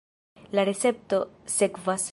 La recepto sekvas.